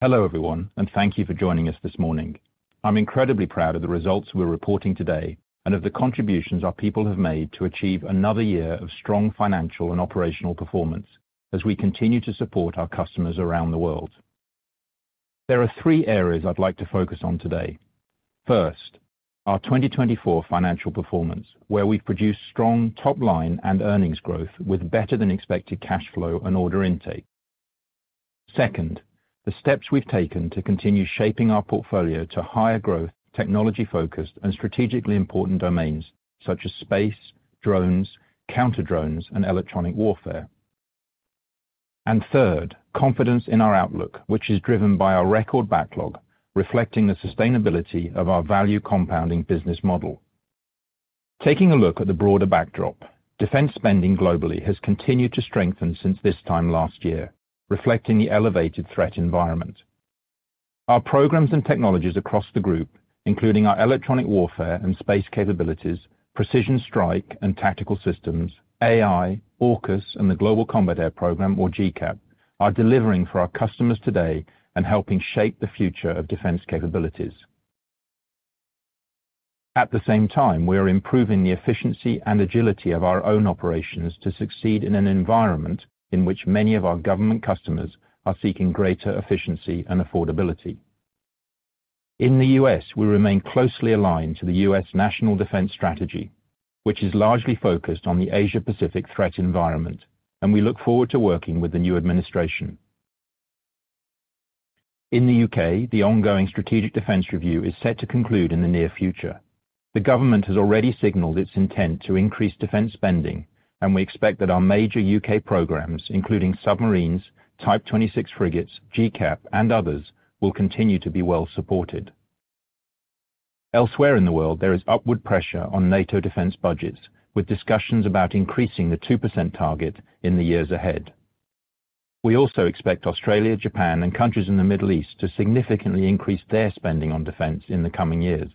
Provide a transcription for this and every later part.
Hello everyone, and thank you for joining us this morning. I'm incredibly proud of the results we're reporting today and of the contributions our people have made to achieve another year of strong financial and operational performance as we continue to support our customers around the world. There are three areas I'd like to focus on today. First, our 2024 financial performance, where we've produced strong top-line and earnings growth with better-than-expected cash flow and order intake. Second, the steps we've taken to continue shaping our portfolio to higher growth, technology-focused, and strategically important domains such as space, drones, counter-drones, and electronic warfare. And third, confidence in our outlook, which is driven by our record backlog, reflecting the sustainability of our value-compounding business model. Taking a look at the broader backdrop, defense spending globally has continued to strengthen since this time last year, reflecting the elevated threat environment. Our programs and technologies across the group, including our electronic warfare and space capabilities, precision strike and tactical systems, AI, AUKUS, and the Global Combat Air Program, or GCAP, are delivering for our customers today and helping shape the future of defense capabilities. At the same time, we are improving the efficiency and agility of our own operations to succeed in an environment in which many of our government customers are seeking greater efficiency and affordability. In the U.S., we remain closely aligned to the U.S. National Defense Strategy, which is largely focused on the Asia-Pacific threat environment, and we look forward to working with the new administration. In the U.K., the ongoing strategic defense review is set to conclude in the near future. The government has already signaled its intent to increase defense spending, and we expect that our major U.K. programs, including submarines, Type 26 frigates, GCAP, and others, will continue to be well supported. Elsewhere in the world, there is upward pressure on NATO defense budgets, with discussions about increasing the 2% target in the years ahead. We also expect Australia, Japan, and countries in the Middle East to significantly increase their spending on defense in the coming years.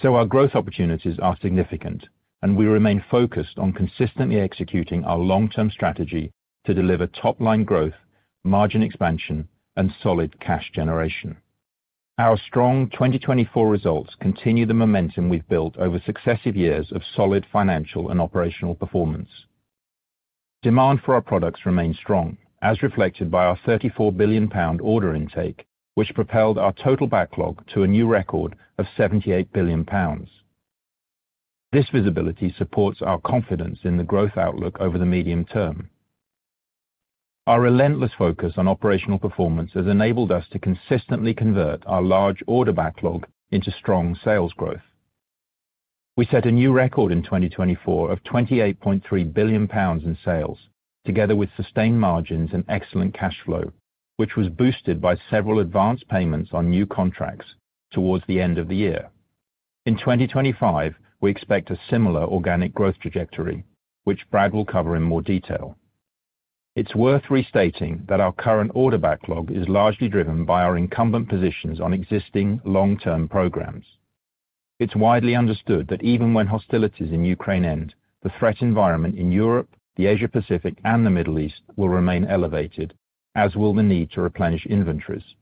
So our growth opportunities are significant, and we remain focused on consistently executing our long-term strategy to deliver top-line growth, margin expansion, and solid cash generation. Our strong 2024 results continue the momentum we've built over successive years of solid financial and operational performance. Demand for our products remains strong, as reflected by our 34 billion pound order intake, which propelled our total backlog to a new record of 78 billion pounds. This visibility supports our confidence in the growth outlook over the medium term. Our relentless focus on operational performance has enabled us to consistently convert our large order backlog into strong sales growth. We set a new record in 2024 of 28.3 billion pounds in sales, together with sustained margins and excellent cash flow, which was boosted by several advance payments on new contracts towards the end of the year. In 2025, we expect a similar organic growth trajectory, which Brad will cover in more detail. It's worth restating that our current order backlog is largely driven by our incumbent positions on existing long-term programs. It's widely understood that even when hostilities in Ukraine end, the threat environment in Europe, the Asia-Pacific, and the Middle East will remain elevated, as will the need to replenish inventories.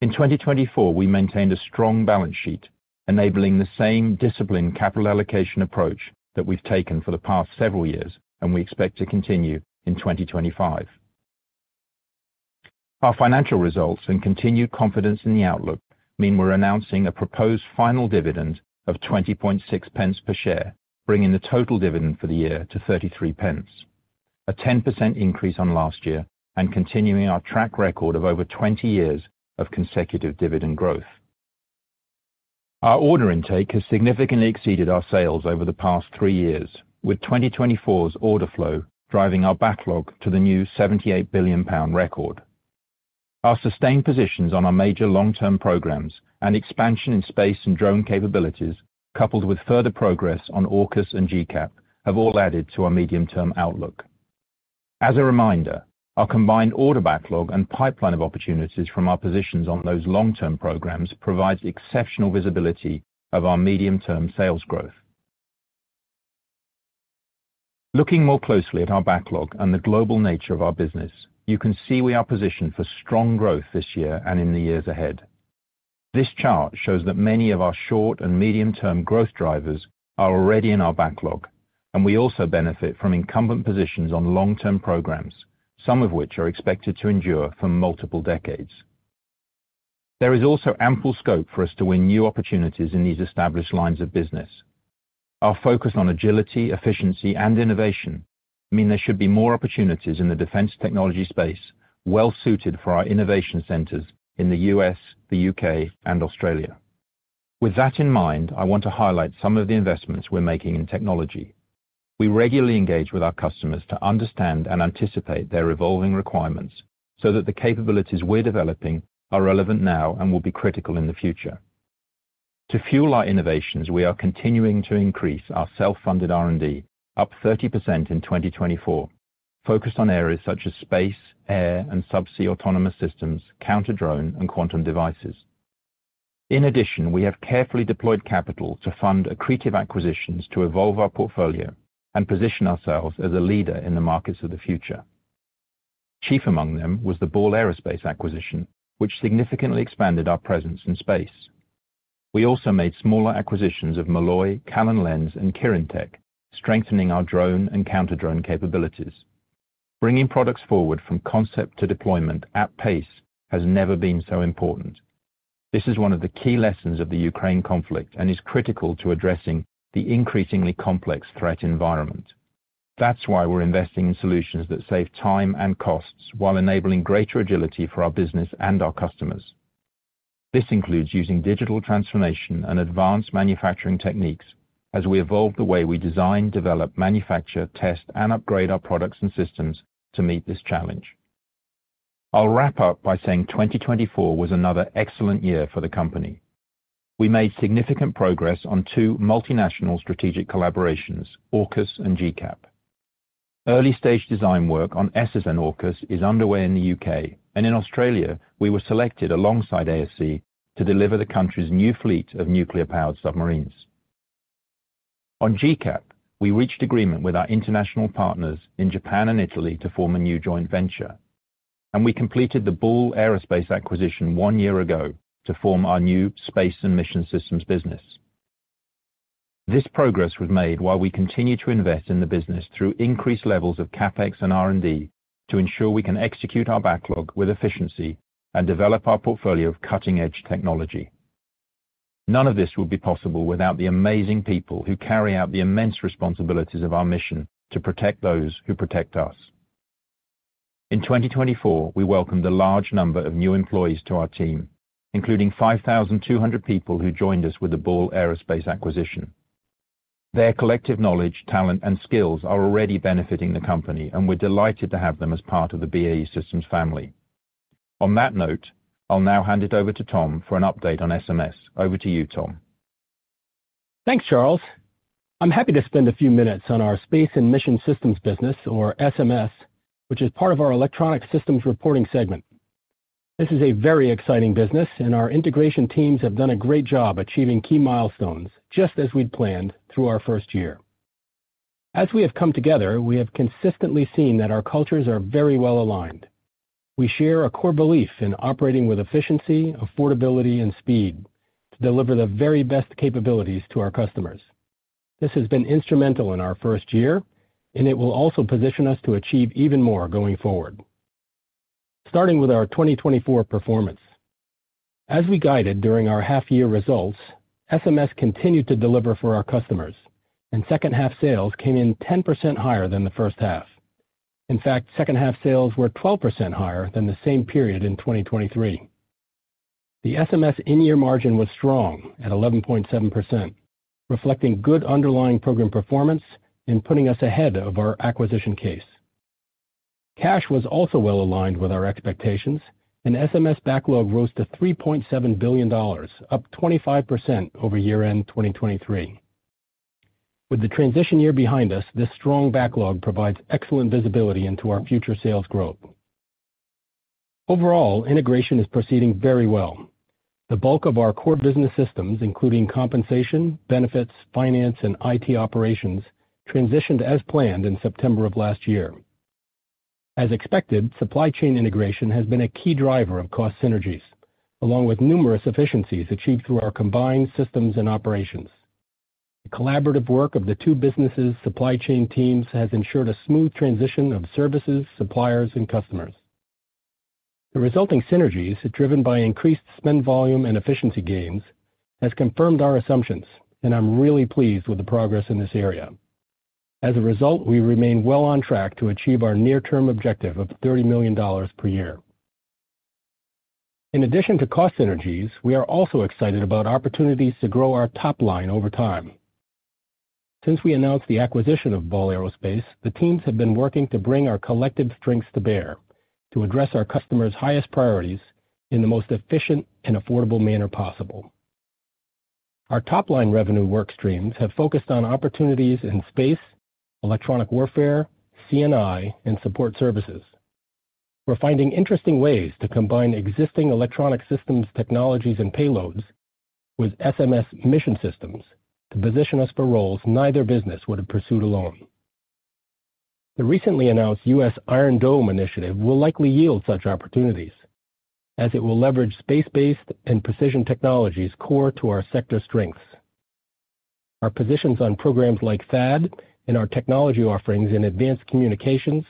In 2024, we maintained a strong balance sheet, enabling the same disciplined capital allocation approach that we've taken for the past several years, and we expect to continue in 2025. Our financial results and continued confidence in the outlook mean we're announcing a proposed final dividend of 20.60 per share, bringing the total dividend for the year to 0.33, a 10% increase on last year and continuing our track record of over 20 years of consecutive dividend growth. Our order intake has significantly exceeded our sales over the past three years, with 2024's order flow driving our backlog to the new 78 billion pound record. Our sustained positions on our major long-term programs and expansion in space and drone capabilities, coupled with further progress on AUKUS and GCAP, have all added to our medium-term outlook. As a reminder, our combined order backlog and pipeline of opportunities from our positions on those long-term programs provide exceptional visibility of our medium-term sales growth. Looking more closely at our backlog and the global nature of our business, you can see we are positioned for strong growth this year and in the years ahead. This chart shows that many of our short and medium-term growth drivers are already in our backlog, and we also benefit from incumbent positions on long-term programs, some of which are expected to endure for multiple decades. There is also ample scope for us to win new opportunities in these established lines of business. Our focus on agility, efficiency, and innovation means there should be more opportunities in the defense technology space, well-suited for our innovation centers in the U.S., the U.K., and Australia. With that in mind, I want to highlight some of the investments we're making in technology. We regularly engage with our customers to understand and anticipate their evolving requirements so that the capabilities we're developing are relevant now and will be critical in the future. To fuel our innovations, we are continuing to increase our self-funded R&D up 30% in 2024, focused on areas such as space, air, and subsea autonomous systems, counter-drone, and quantum devices. In addition, we have carefully deployed capital to fund accretive acquisitions to evolve our portfolio and position ourselves as a leader in the markets of the future. Chief among them was the Ball Aerospace acquisition, which significantly expanded our presence in space. We also made smaller acquisitions of Malloy, Callen-Lenz, and Kirintec, strengthening our drone and counter-drone capabilities. Bringing products forward from concept to deployment at pace has never been so important. This is one of the key lessons of the Ukraine conflict and is critical to addressing the increasingly complex threat environment. That's why we're investing in solutions that save time and costs while enabling greater agility for our business and our customers. This includes using digital transformation and advanced manufacturing techniques as we evolve the way we design, develop, manufacture, test, and upgrade our products and systems to meet this challenge. I'll wrap up by saying 2024 was another excellent year for the company. We made significant progress on two multinational strategic collaborations, AUKUS and GCAP. Early-stage design work on SSN-AUKUS is underway in the U.K., and in Australia, we were selected alongside ASC to deliver the country's new fleet of nuclear-powered submarines. On GCAP, we reached agreement with our international partners in Japan and Italy to form a new joint venture, and we completed the Ball Aerospace acquisition one year ago to form our new space and mission systems business. This progress was made while we continue to invest in the business through increased levels of CapEx and R&D to ensure we can execute our backlog with efficiency and develop our portfolio of cutting-edge technology. None of this would be possible without the amazing people who carry out the immense responsibilities of our mission to protect those who protect us. In 2024, we welcomed a large number of new employees to our team, including 5,200 people who joined us with the Ball Aerospace acquisition. Their collective knowledge, talent, and skills are already benefiting the company, and we're delighted to have them as part of the BAE Systems family. On that note, I'll now hand it over to Tom for an update on SMS. Over to you, Tom. Thanks, Charles. I'm happy to spend a few minutes on our Space and Mission Systems business, or SMS, which is part of our Electronic Systems reporting segment. This is a very exciting business, and our integration teams have done a great job achieving key milestones just as we'd planned through our first year. As we have come together, we have consistently seen that our cultures are very well aligned. We share a core belief in operating with efficiency, affordability, and speed to deliver the very best capabilities to our customers. This has been instrumental in our first year, and it will also position us to achieve even more going forward. Starting with our 2024 performance. As we guided during our half-year results, SMS continued to deliver for our customers, and second-half sales came in 10% higher than the first half. In fact, second-half sales were 12% higher than the same period in 2023. The SMS in-year margin was strong at 11.7%, reflecting good underlying program performance and putting us ahead of our acquisition case. Cash was also well aligned with our expectations, and SMS backlog rose to $3.7 billion, up 25% over year-end 2023. With the transition year behind us, this strong backlog provides excellent visibility into our future sales growth. Overall, integration is proceeding very well. The bulk of our core business systems, including compensation, benefits, finance, and IT operations, transitioned as planned in September of last year. As expected, supply chain integration has been a key driver of cost synergies, along with numerous efficiencies achieved through our combined systems and operations. The collaborative work of the two businesses' supply chain teams has ensured a smooth transition of services, suppliers, and customers. The resulting synergies, driven by increased spend volume and efficiency gains, have confirmed our assumptions, and I'm really pleased with the progress in this area. As a result, we remain well on track to achieve our near-term objective of $30 million per year. In addition to cost synergies, we are also excited about opportunities to grow our top line over time. Since we announced the acquisition of Ball Aerospace, the teams have been working to bring our collective strengths to bear to address our customers' highest priorities in the most efficient and affordable manner possible. Our top-line revenue workstreams have focused on opportunities in space, electronic warfare, CNI, and support services. We're finding interesting ways to combine existing electronic systems technologies and payloads with SMS mission systems to position us for roles neither business would have pursued alone. The recently announced U.S. Iron Dome initiative will likely yield such opportunities, as it will leverage space-based and precision technologies core to our sector strengths. Our positions on programs like THAAD and our technology offerings in advanced communications,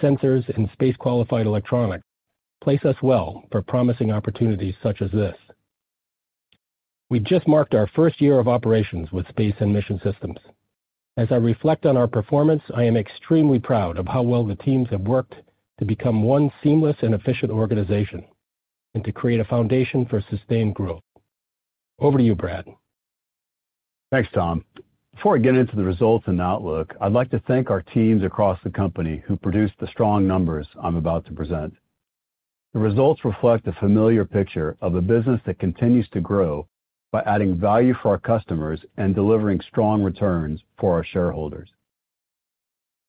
sensors, and space-qualified electronics place us well for promising opportunities such as this. We just marked our first year of operations with Space and Mission Systems. As I reflect on our performance, I am extremely proud of how well the teams have worked to become one seamless and efficient organization and to create a foundation for sustained growth. Over to you, Brad. Thanks, Tom. Before I get into the results and outlook, I'd like to thank our teams across the company who produced the strong numbers I'm about to present. The results reflect a familiar picture of a business that continues to grow by adding value for our customers and delivering strong returns for our shareholders.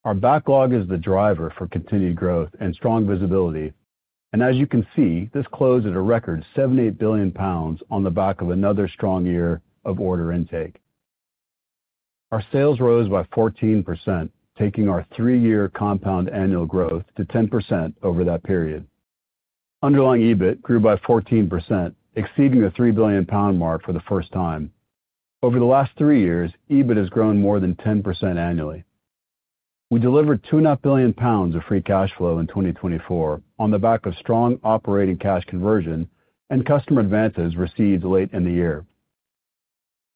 Our backlog is the driver for continued growth and strong visibility, and as you can see, this closed at a record 78 billion pounds on the back of another strong year of order intake. Our sales rose by 14%, taking our three-year compound annual growth to 10% over that period. Underlying EBIT grew by 14%, exceeding the 3 billion pound mark for the first time. Over the last three years, EBIT has grown more than 10% annually. We delivered 2.5 billion pounds of free cash flow in 2024 on the back of strong operating cash conversion and customer advances received late in the year.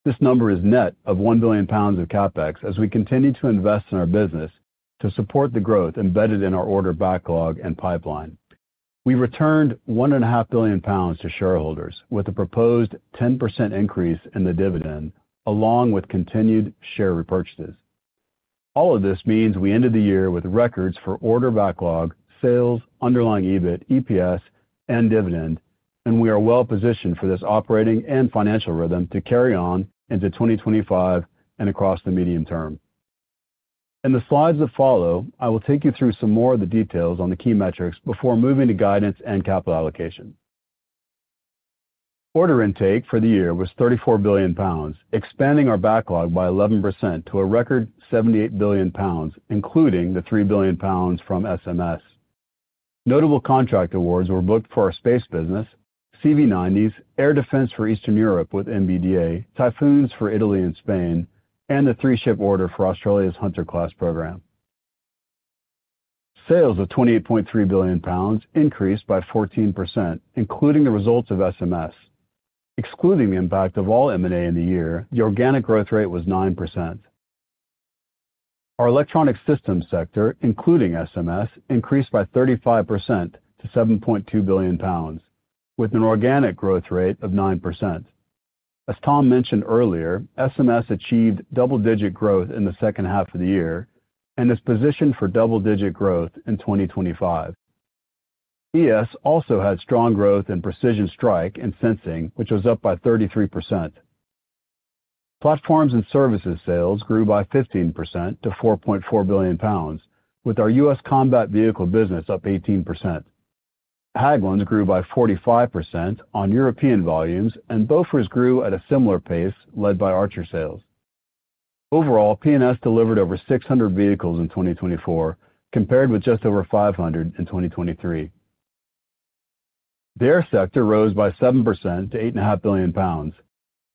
This number is net of 1 billion pounds of CapEx as we continue to invest in our business to support the growth embedded in our order backlog and pipeline. We returned 1.5 billion pounds to shareholders with a proposed 10% increase in the dividend, along with continued share repurchases. All of this means we ended the year with records for order backlog, sales, underlying EBIT, EPS, and dividend, and we are well positioned for this operating and financial rhythm to carry on into 2025 and across the medium term. In the slides that follow, I will take you through some more of the details on the key metrics before moving to guidance and capital allocation. Order intake for the year was 34 billion pounds, expanding our backlog by 11% to a record 78 billion pounds, including the 3 billion pounds from SMS. Notable contract awards were booked for our space business, CV90s, air defense for Eastern Europe with MBDA, Typhoons for Italy and Spain, and the three-ship order for Australia's Hunter-class program. Sales of 28.3 billion pounds increased by 14%, including the results of SMS. Excluding the impact of all M&A in the year, the organic growth rate was 9%. Our electronic systems sector, including SMS, increased by 35% to 7.2 billion pounds, with an organic growth rate of 9%. As Tom mentioned earlier, SMS achieved double-digit growth in the second half of the year and is positioned for double-digit growth in 2025. ES also had strong growth in precision strike and sensing, which was up by 33%. Platforms & Services sales grew by 15% to 4.4 billion pounds, with our US combat vehicle business up 18%. Hägglunds grew by 45% on European volumes, and Bofors grew at a similar pace led by Archer sales. Overall, P&S delivered over 600 vehicles in 2024, compared with just over 500 in 2023. The Air sector rose by 7% to 8.5 billion pounds.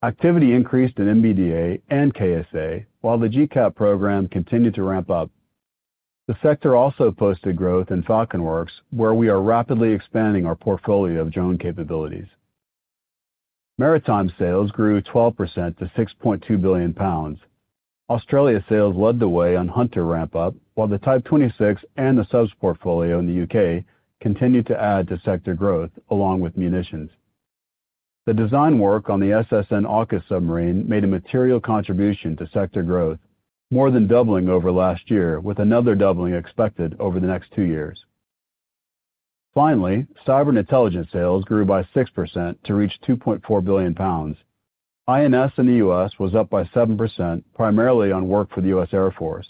Activity increased in MBDA and KSA, while the GCAP program continued to ramp up. The sector also posted growth in FalconWorks, where we are rapidly expanding our portfolio of drone capabilities. Maritime sales grew 12% to 6.2 billion pounds. Australia sales led the way on Hunter ramp-up, while the Type 26 and the Subs portfolio in the U.K. continued to add to sector growth, along with munitions. The design work on the SSN-AUKUS submarine made a material contribution to sector growth, more than doubling over last year, with another doubling expected over the next two years. Finally, Cyber Intelligence sales grew by 6% to reach 2.4 billion pounds. I&S in the US was up by 7%, primarily on work for the US Air Force.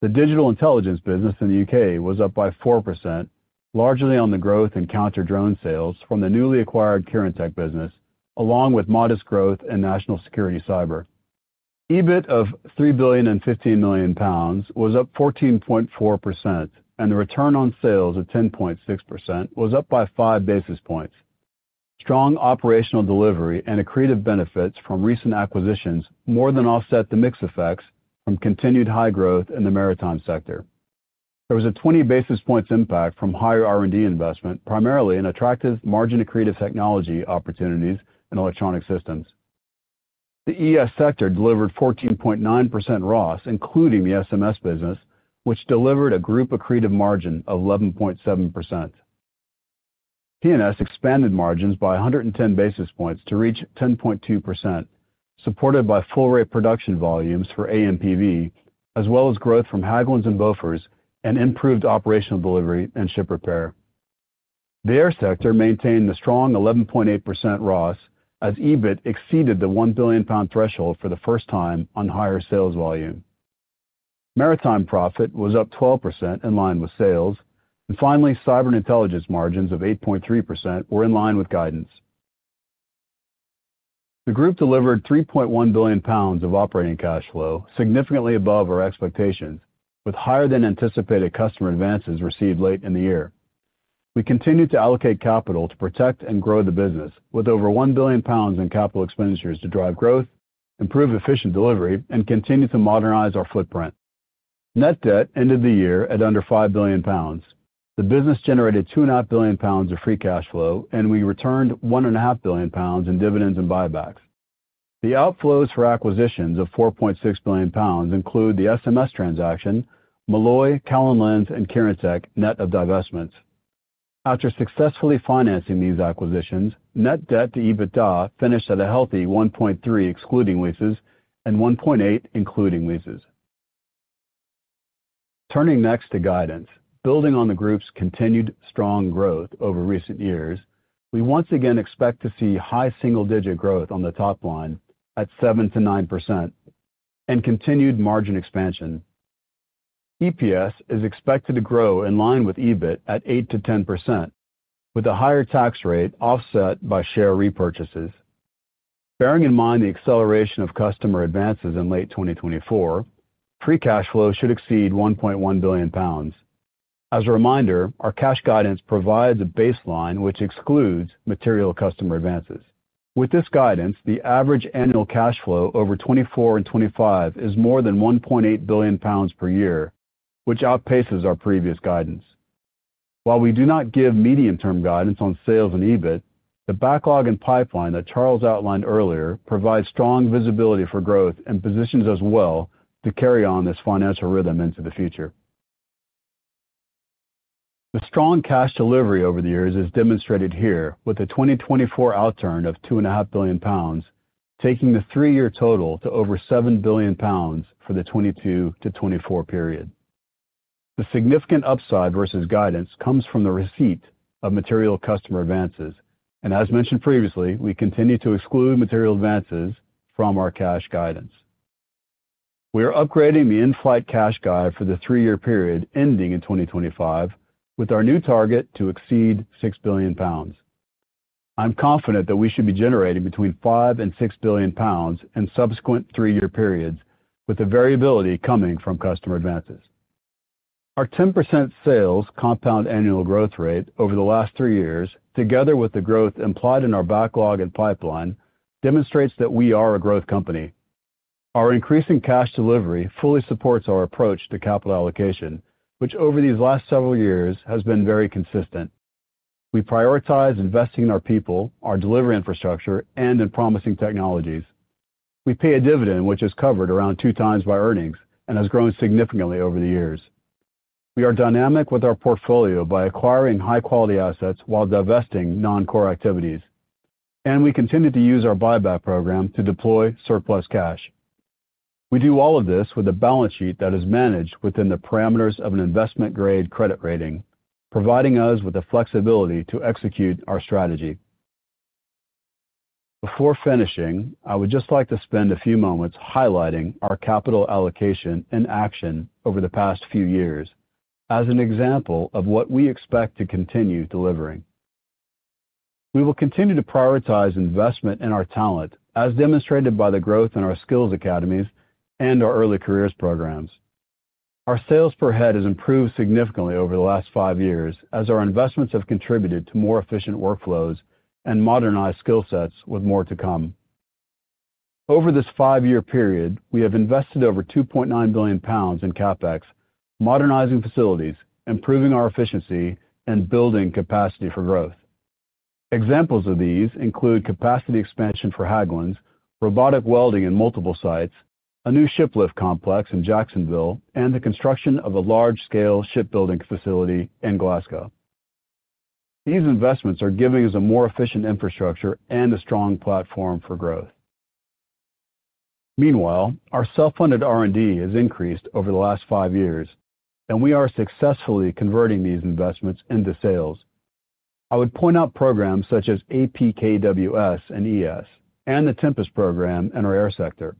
The Digital Intelligence business in the U.K. was up by 4%, largely on the growth in counter-drone sales from the newly acquired Kirintec business, along with modest growth in national security cyber. EBIT of 3.15 billion was up 14.4%, and the return on sales of 10.6% was up by five basis points. Strong operational delivery and accretive benefits from recent acquisitions more than offset the mixed effects from continued high growth in the maritime sector. There was a 20 basis points impact from higher R&D investment, primarily in attractive margin-accretive technology opportunities in electronic systems. The ES sector delivered 14.9% ROS, including the SMS business, which delivered a group-accretive margin of 11.7%. P&S expanded margins by 110 basis points to reach 10.2%, supported by full-rate production volumes for AMPV, as well as growth from Hägglunds and Bofors and improved operational delivery and ship repair. The air sector maintained the strong 11.8% ROS, as EBIT exceeded the 1 billion pound threshold for the first time on higher sales volume. Maritime profit was up 12% in line with sales, and finally, Cyber Intelligence margins of 8.3% were in line with guidance. The group delivered 3.1 billion pounds of operating cash flow, significantly above our expectations, with higher-than-anticipated customer advances received late in the year. We continue to allocate capital to protect and grow the business, with over 1 billion pounds in capital expenditures to drive growth, improve efficient delivery, and continue to modernize our footprint. Net debt ended the year at under 5 billion pounds. The business generated 2.5 billion pounds of free cash flow, and we returned 1.5 billion pounds in dividends and buybacks. The outflows for acquisitions of 4.6 billion pounds include the SMS transaction, Malloy, Callen-Lenz, and Kirintec net of divestments. After successfully financing these acquisitions, net debt to EBITDA finished at a healthy 1.3% excluding leases and 1.8% including leases. Turning next to guidance, building on the group's continued strong growth over recent years, we once again expect to see high single-digit growth on the top line at 7%-9% and continued margin expansion. EPS is expected to grow in line with EBIT at 8%-10%, with a higher tax rate offset by share repurchases. Bearing in mind the acceleration of customer advances in late 2024, free cash flow should exceed 1.1 billion pounds. As a reminder, our cash guidance provides a baseline which excludes material customer advances. With this guidance, the average annual cash flow over 2024 and 2025 is more than 1.8 billion pounds per year, which outpaces our previous guidance. While we do not give medium-term guidance on sales and EBIT, the backlog and pipeline that Charles outlined earlier provide strong visibility for growth and positions us well to carry on this financial rhythm into the future. The strong cash delivery over the years is demonstrated here with a 2024 outturn of 2.5 billion pounds, taking the three-year total to over 7 billion pounds for the 2022 to 2024 period. The significant upside versus guidance comes from the receipt of material customer advances, and as mentioned previously, we continue to exclude material advances from our cash guidance. We are upgrading the in-flight cash guide for the three-year period ending in 2025, with our new target to exceed 6 billion pounds. I'm confident that we should be generating between 5 billion and 6 billion pounds in subsequent three-year periods, with the variability coming from customer advances. Our 10% sales compound annual growth rate over the last three years, together with the growth implied in our backlog and pipeline, demonstrates that we are a growth company. Our increasing cash delivery fully supports our approach to capital allocation, which over these last several years has been very consistent. We prioritize investing in our people, our delivery infrastructure, and in promising technologies. We pay a dividend which is covered around two times by earnings and has grown significantly over the years. We are dynamic with our portfolio by acquiring high-quality assets while divesting non-core activities, and we continue to use our buyback program to deploy surplus cash. We do all of this with a balance sheet that is managed within the parameters of an investment-grade credit rating, providing us with the flexibility to execute our strategy. Before finishing, I would just like to spend a few moments highlighting our capital allocation in action over the past few years as an example of what we expect to continue delivering. We will continue to prioritize investment in our talent, as demonstrated by the growth in our skills academies and our early careers programs. Our sales per head has improved significantly over the last five years, as our investments have contributed to more efficient workflows and modernized skill sets with more to come. Over this five-year period, we have invested over 2.9 billion pounds in CapEx, modernizing facilities, improving our efficiency, and building capacity for growth. Examples of these include capacity expansion for Hägglunds, robotic welding in multiple sites, a new ship lift complex in Jacksonville, and the construction of a large-scale shipbuilding facility in Glasgow. These investments are giving us a more efficient infrastructure and a strong platform for growth. Meanwhile, our self-funded R&D has increased over the last five years, and we are successfully converting these investments into sales. I would point out programs such as APKWS and ES, and the Tempest program in our air sector.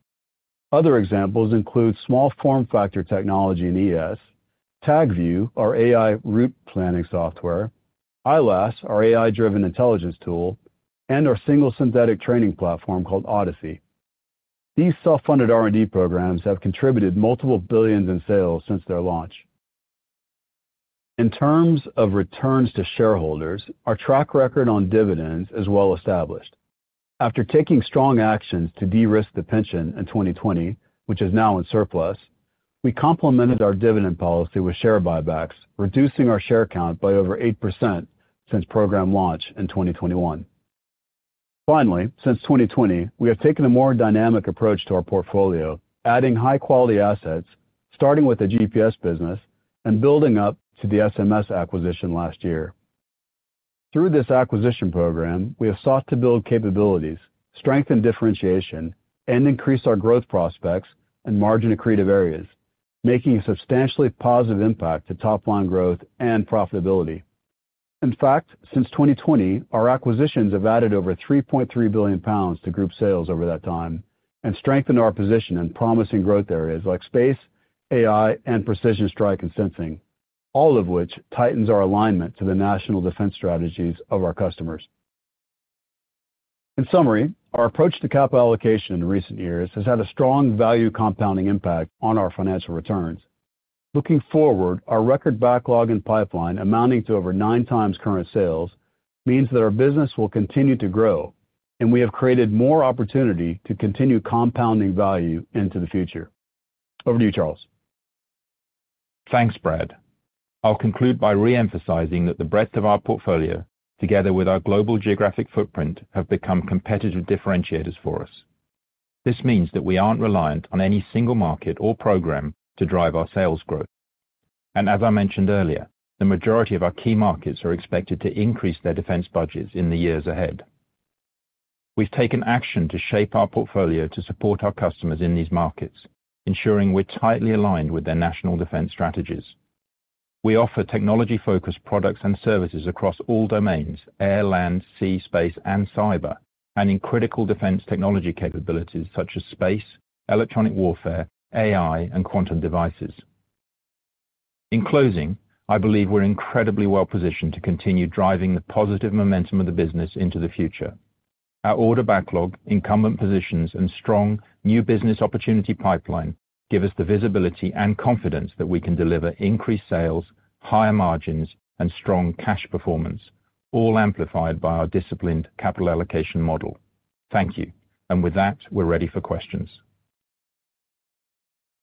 Other examples include small form factor technology in ES, TagView, our AI route planning software, ILAS, our AI-driven intelligence tool, and our single synthetic training platform called Odyssey. These self-funded R&D programs have contributed multiple billions in sales since their launch. In terms of returns to shareholders, our track record on dividends is well established. After taking strong actions to de-risk the pension in 2020, which is now in surplus, we complemented our dividend policy with share buybacks, reducing our share count by over 8% since program launch in 2021. Finally, since 2020, we have taken a more dynamic approach to our portfolio, adding high-quality assets, starting with the GPS business and building up to the SMS acquisition last year. Through this acquisition program, we have sought to build capabilities, strengthen differentiation, and increase our growth prospects and margin-accretive areas, making a substantially positive impact to top-line growth and profitability. In fact, since 2020, our acquisitions have added over 3.3 billion pounds to group sales over that time and strengthened our position in promising growth areas like space, AI, and precision strike and sensing, all of which tightens our alignment to the national defense strategies of our customers. In summary, our approach to capital allocation in recent years has had a strong value compounding impact on our financial returns. Looking forward, our record backlog and pipeline amounting to over nine times current sales means that our business will continue to grow, and we have created more opportunity to continue compounding value into the future. Over to you, Charles. Thanks, Brad. I'll conclude by re-emphasizing that the breadth of our portfolio, together with our global geographic footprint, have become competitive differentiators for us. This means that we aren't reliant on any single market or program to drive our sales growth. As I mentioned earlier, the majority of our key markets are expected to increase their defense budgets in the years ahead. We've taken action to shape our portfolio to support our customers in these markets, ensuring we're tightly aligned with their national defense strategies. We offer technology-focused products and services across all domains: air, land, sea, space, and cyber, and in critical defense technology capabilities such as space, electronic warfare, AI, and quantum devices. In closing, I believe we're incredibly well positioned to continue driving the positive momentum of the business into the future. Our order backlog, incumbent positions, and strong new business opportunity pipeline give us the visibility and confidence that we can deliver increased sales, higher margins, and strong cash performance, all amplified by our disciplined capital allocation model. Thank you. With that, we're ready for questions.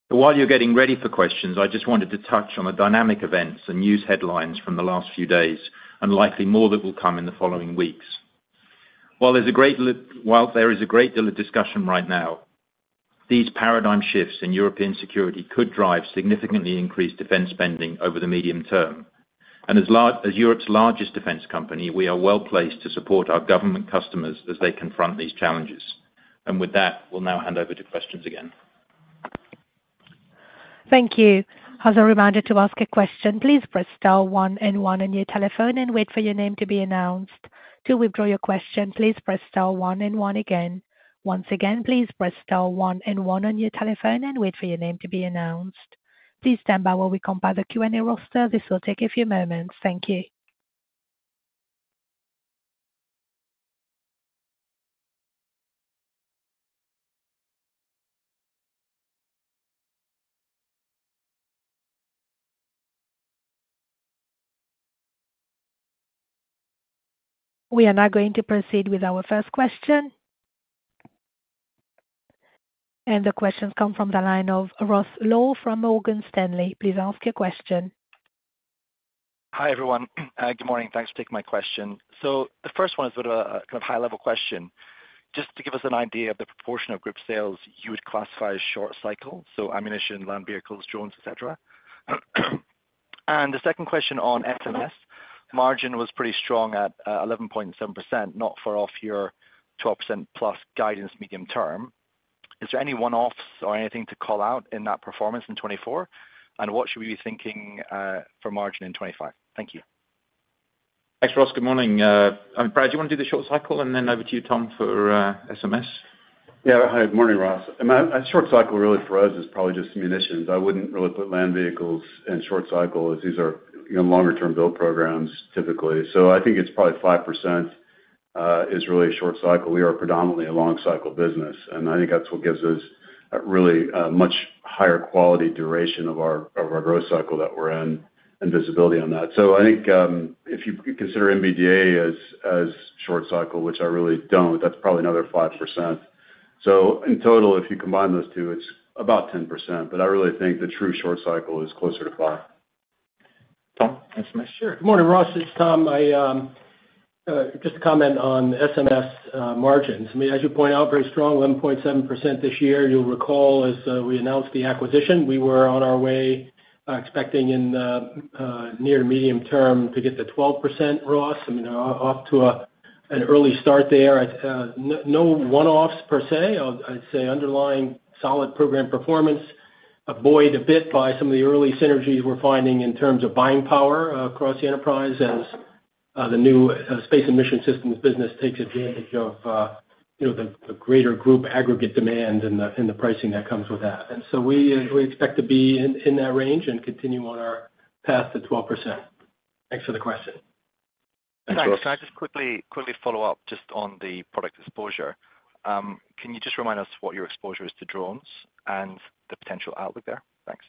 While you're getting ready for questions, I just wanted to touch on the dynamic events and news headlines from the last few days, and likely more that will come in the following weeks. While there's a great deal of discussion right now, these paradigm shifts in European security could drive significantly increased defense spending over the medium term. And as Europe's largest defense company, we are well placed to support our government customers as they confront these challenges. And with that, we'll now hand over to questions again. Thank you. As a reminder to ask a question, please press star one and one on your telephone and wait for your name to be announced. To withdraw your question, please press star one and one again. Once again, please press star one and one on your telephone and wait for your name to be announced. Please stand by while we compile the Q&A roster. This will take a few moments. Thank you. We are now going to proceed with our first question, and the questions come from the line of Ross Law from Morgan Stanley. Please ask your question. Hi everyone. Good morning. Thanks for taking my question, so the first one is a bit of a kind of high-level question. Just to give us an idea of the proportion of group sales you would classify as short cycle, so ammunition, land vehicles, drones, etc. And the second question on SMS margin was pretty strong at 11.7%, not far off your 12% plus guidance medium term. Is there any one-offs or anything to call out in that performance in 2024? And what should we be thinking for margin in 2025? Thank you. Thanks, Ross. Good morning. I'm proud. Do you want to do the short cycle? And then over to you, Tom, for SMS. Yeah. Hi. Good morning, Ross. A short cycle really for us is probably just ammunition. I wouldn't really put land vehicles in short cycle as these are longer-term build programs typically. So I think it's probably five% is really a short cycle. We are predominantly a long-cycle business. And I think that's what gives us a really much higher quality duration of our growth cycle that we're in and visibility on that. So I think if you consider MBDA as short cycle, which I really don't, that's probably another five%. So in total, if you combine those two, it's about 10%. But I really think the true short cycle is closer to five. Tom, SMS. Sure. Good morning, Ross. It's Tom. Just a comment on SMS margins. I mean, as you point out, very strong, 11.7% this year. You'll recall as we announced the acquisition, we were on our way expecting in the near to medium term to get the 12% ROS. I mean, off to an early start there. No one-offs per se. I'd say underlying solid program performance buoyed a bit by some of the early synergies we're finding in terms of buying power across the enterprise as the new Space and Mission Systems business takes advantage of the greater group aggregate demand and the pricing that comes with that. And so we expect to be in that range and continue on our path to 12%. Thanks for the question. Thanks, Ross. Can I just quickly follow up just on the product exposure? Can you just remind us what your exposure is to drones and the potential outlook there? Thanks.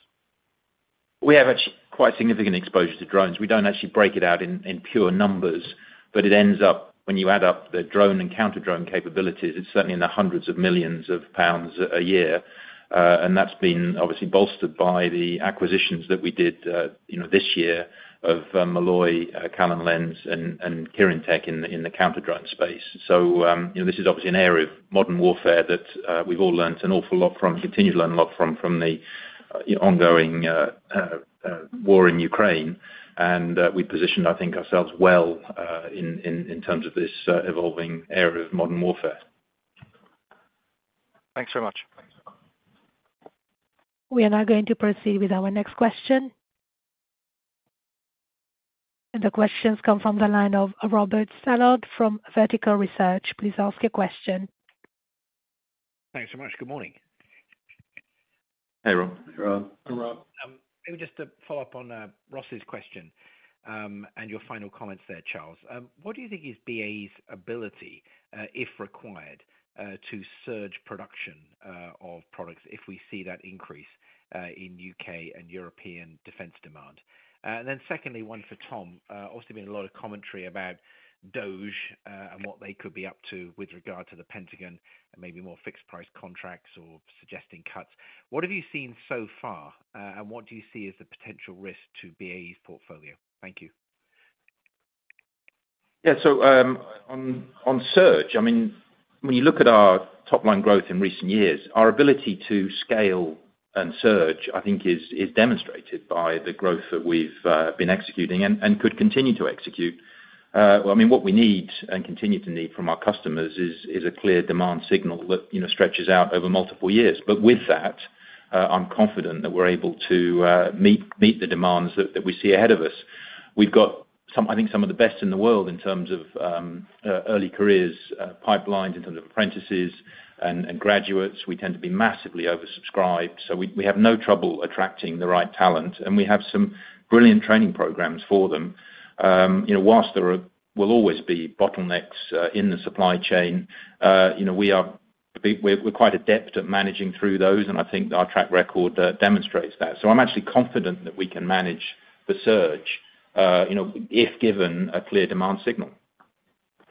We have actually quite significant exposure to drones. We don't actually break it out in pure numbers, but it ends up when you add up the drone and counter-drone capabilities, it's certainly in the hundreds of millions of GBP a year. And that's been obviously bolstered by the acquisitions that we did this year of Malloy, Callen-Lenz, and Kirintec in the counter-drone space. So this is obviously an area of modern warfare that we've all learned an awful lot from and continue to learn a lot from the ongoing war in Ukraine. And we positioned, I think, ourselves well in terms of this evolving area of modern warfare. Thanks very much. We are now going to proceed with our next question. And the questions come from the line of Robert Stallard from Vertical Research. Please ask your question. Thanks so much. Good morning. Hey, Rob. Hey, Rob. Maybe just to follow up on Ross's question and your final comments there, Charles. What do you think is BAE's ability, if required, to surge production of products if we see that increase in U.K. and European defense demand? And then secondly, one for Tom. Obviously, there's been a lot of commentary about DOGE and what they could be up to with regard to the Pentagon and maybe more fixed-price contracts or suggesting cuts. What have you seen so far, and what do you see as the potential risk to BAE's portfolio? Thank you. Yeah. So on surge, I mean, when you look at our top-line growth in recent years, our ability to scale and surge, I think, is demonstrated by the growth that we've been executing and could continue to execute. I mean, what we need and continue to need from our customers is a clear demand signal that stretches out over multiple years. But with that, I'm confident that we're able to meet the demands that we see ahead of us. We've got, I think, some of the best in the world in terms of early careers, pipelines, in terms of apprentices and graduates. We tend to be massively oversubscribed. So we have no trouble attracting the right talent. And we have some brilliant training programs for them. While there will always be bottlenecks in the supply chain, we're quite adept at managing through those. And I think our track record demonstrates that. So I'm actually confident that we can manage the surge if given a clear demand signal.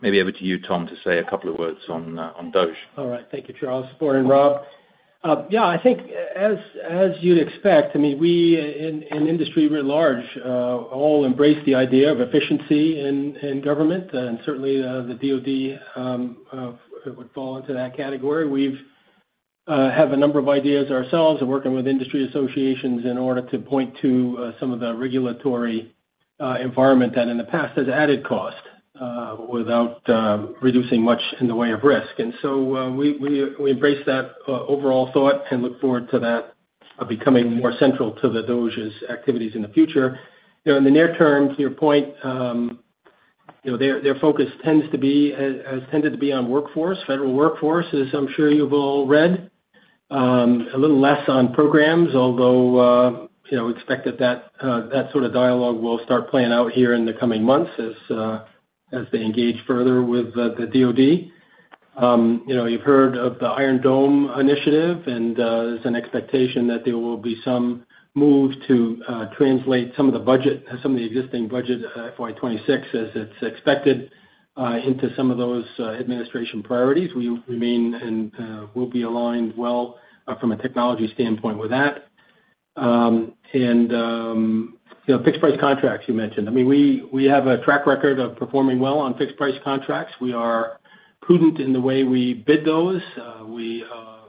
Maybe over to you, Tom, to say a couple of words on DOGE. All right. Thank you, Charles. Good morning, Rob. Yeah. I think, as you'd expect, I mean, we in industry writ large all embrace the idea of efficiency in government. And certainly, the DoD would fall into that category. We have a number of ideas ourselves and working with industry associations in order to point to some of the regulatory environment that in the past has added cost without reducing much in the way of risk. And so we embrace that overall thought and look forward to that becoming more central to the DOGE's activities in the future. In the near term, to your point, their focus tends to be on workforce, federal workforce, as I'm sure you've all read. A little less on programs, although we expect that that sort of dialogue will start playing out here in the coming months as they engage further with the DoD. You've heard of the Iron Dome initiative, and there's an expectation that there will be some move to translate some of the budget, some of the existing budget, FY26, as it's expected, into some of those administration priorities. We remain and will be aligned well from a technology standpoint with that, and fixed-price contracts you mentioned. I mean, we have a track record of performing well on fixed-price contracts. We are prudent in the way we bid those. We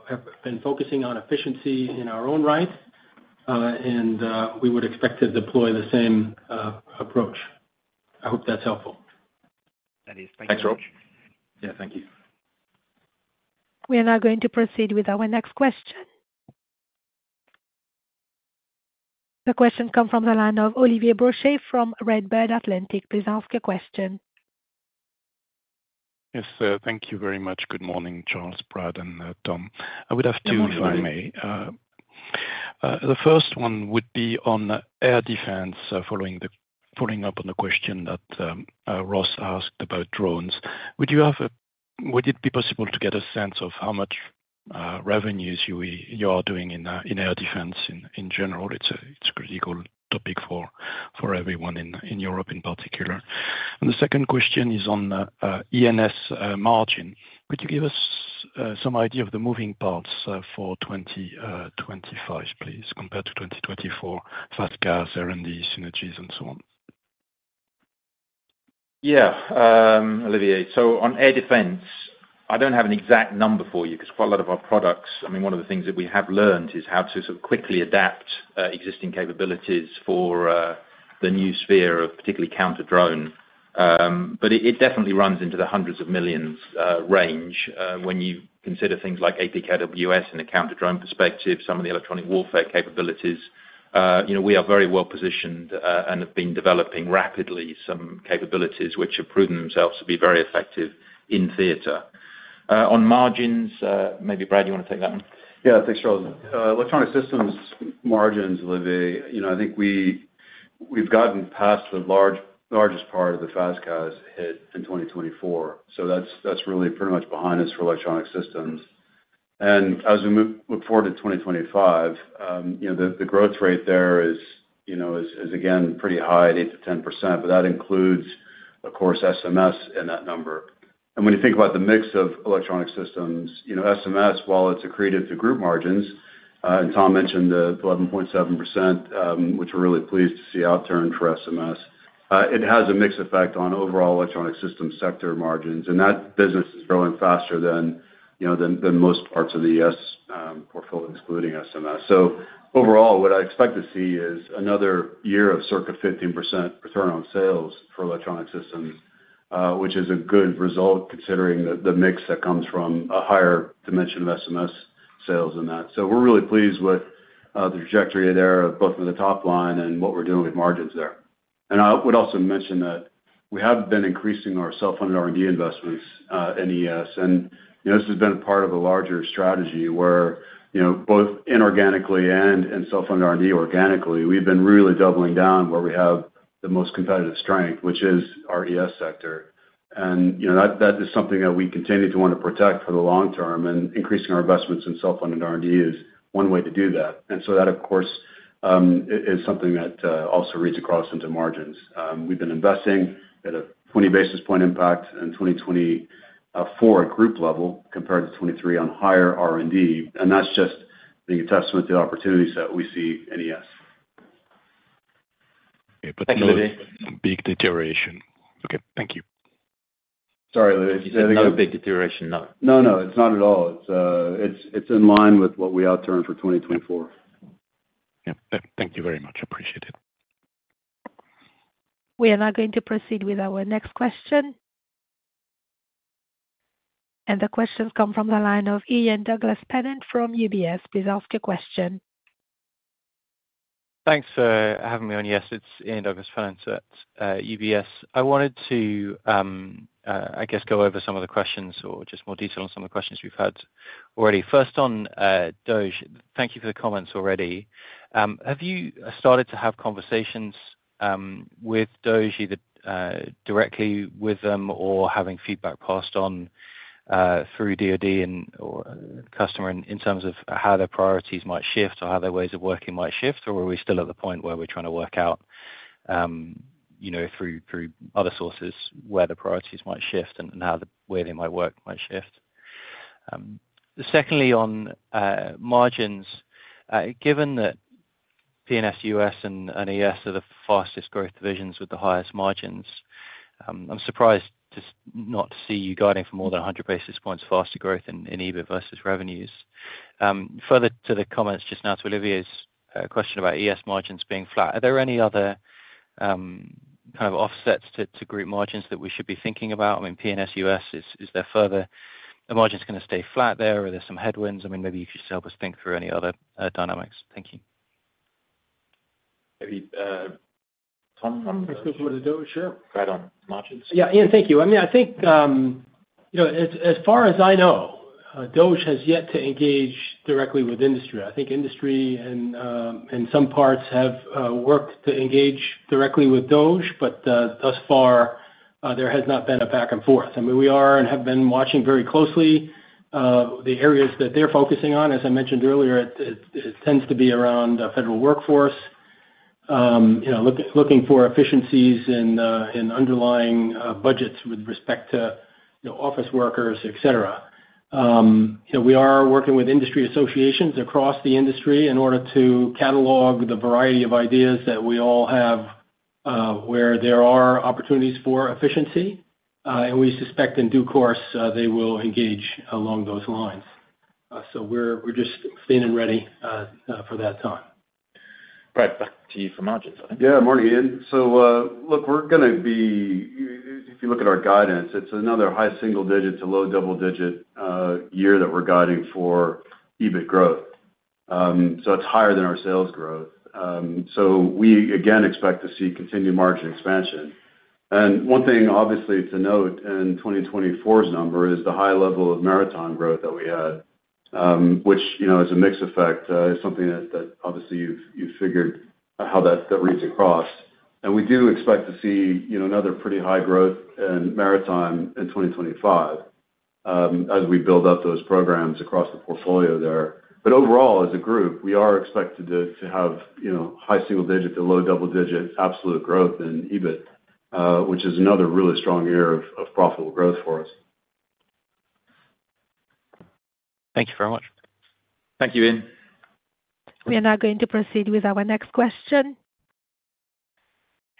have been focusing on efficiency in our own right, and we would expect to deploy the same approach. I hope that's helpful. That is. Thanks, Rob. Yeah. Thank you. We are now going to proceed with our next question. The questions come from the line of Olivier Brochet from Redburn Atlantic. Please ask your question. Yes. Thank you very much. Good morning, Charles, Brad, and Tom. I would have two, if I may. The first one would be on air defense following up on the question that Ross asked about drones. Would it be possible to get a sense of how much revenues you are doing in air defense in general? It's a critical topic for everyone in Europe in particular. And the second question is on ES margin. Could you give us some idea of the moving parts for 2025, please, compared to 2024? FAS/CAS, CR&D, synergies, and so on. Yeah. Olivier, so on air defense, I don't have an exact number for you because quite a lot of our products, I mean, one of the things that we have learned is how to sort of quickly adapt existing capabilities for the new sphere of particularly counter-drone. But it definitely runs into the hundreds of millions range when you consider things like APKWS in a counter-drone perspective, some of the electronic warfare capabilities. We are very well positioned and have been developing rapidly some capabilities which have proven themselves to be very effective in theater. On margins, maybe Brad, you want to take that one? Yeah. Thanks, Charles. Electronic systems margins, Olivier, I think we've gotten past the largest part of the FAS/CASs hit in 2024. So that's really pretty much behind us for electronic systems. And as we look forward to 2025, the growth rate there is, again, pretty high at 8%-10%. But that includes, of course, SMS in that number. When you think about the mix of electronic systems, SMS, while it's accretive to group margins, and Tom mentioned the 11.7%, which we're really pleased to see outturn for SMS, it has a mixed effect on overall electronic systems sector margins. That business is growing faster than most parts of the U.S. portfolio, excluding SMS. Overall, what I expect to see is another year of circa 15% return on sales for electronic systems, which is a good result considering the mix that comes from a higher dimension of SMS sales than that. We're really pleased with the trajectory there of both of the top line and what we're doing with margins there. I would also mention that we have been increasing our self-funded R&D investments in ES. This has been part of a larger strategy where both inorganically and in self-funded R&D organically, we've been really doubling down where we have the most competitive strength, which is our ES sector. That is something that we continue to want to protect for the long term. Increasing our investments in self-funded R&D is one way to do that. That, of course, is something that also reads across into margins. We've been investing at a 20 basis point impact in 2024 at group level compared to 2023 on higher R&D. That's just being a testament to the opportunities that we see in ES. Okay. But there's a big deterioration. Okay. Thank you. Sorry, Olivier. You said there's a big deterioration. No. No, no. It's not at all. It's in line with what we outturned for 2024. Yeah. Thank you very much. Appreciate it. We are now going to proceed with our next question. The questions come from the line of Ian Douglas-Pennant from UBS. Please ask your question. Thanks for having me on. Yes. It's Ian Douglas-Pennant at UBS. I wanted to, I guess, go over some of the questions or just more detail on some of the questions we've had already. First on DOGE, thank you for the comments already. Have you started to have conversations with DOGE either directly with them or having feedback passed on through DoD or customer in terms of how their priorities might shift or how their ways of working might shift? Or are we still at the point where we're trying to work out through other sources where the priorities might shift and where their ways of working might shift? Secondly, on margins, given that P&S US and ES are the fastest growth divisions with the highest margins, I'm surprised to not see you guiding for more than 100 basis points faster growth in EBIT versus revenues. Further to the comments just now to Olivier's question about ES margins being flat, are there any other kind of offsets to group margins that we should be thinking about? I mean, P&S US, is there further the margin's going to stay flat there? Are there some headwinds? I mean, maybe you could just help us think through any other dynamics. Thank you. Maybe Tom, I'm going to speak a little bit to DOGE, right, on margins? Yeah. Ian, thank you. I mean, I think as far as I know, DOGE has yet to engage directly with industry. I think industry and some parts have worked to engage directly with DOGE, but thus far, there has not been a back and forth. I mean, we are and have been watching very closely the areas that they're focusing on. As I mentioned earlier, it tends to be around federal workforce, looking for efficiencies in underlying budgets with respect to office workers, etc. We are working with industry associations across the industry in order to catalog the variety of ideas that we all have where there are opportunities for efficiency, and we suspect in due course, they will engage along those lines. So we're just staying ready for that time. Brad, back to you for margins, I think. Yeah. Morning, Ian. So look, we're going to be if you look at our guidance, it's another high single-digit to low double-digit year that we're guiding for EBIT growth. So it's higher than our sales growth. So we, again, expect to see continued margin expansion. And one thing, obviously, to note in 2024's number is the high level of maritime growth that we had, which is a mixed effect. It's something that obviously you've figured how that reads across. And we do expect to see another pretty high growth in maritime in 2025 as we build up those programs across the portfolio there. But overall, as a group, we are expected to have high single-digit to low double-digit absolute growth in EBIT, which is another really strong year of profitable growth for us. Thank you very much. Thank you, Ian. We are now going to proceed with our next question.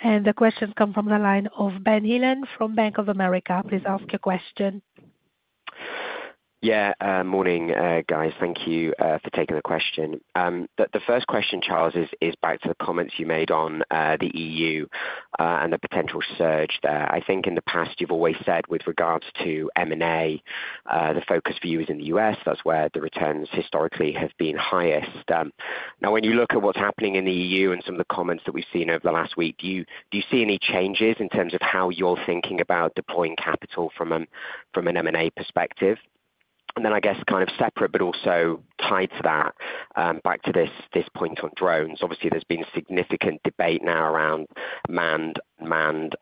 And the questions come from the line of Ben Heelan from Bank of America. Please ask your question. Yeah. Morning, guys. Thank you for taking the question. The first question, Charles, is back to the comments you made on the E.U. and the potential surge there. I think in the past, you've always said with regards to M&A, the focus for you is in the U.S. That's where the returns historically have been highest. Now, when you look at what's happening in the E.U. and some of the comments that we've seen over the last week, do you see any changes in terms of how you're thinking about deploying capital from an M&A perspective? And then, I guess, kind of separate, but also tied to that, back to this point on drones, obviously, there's been significant debate now around manned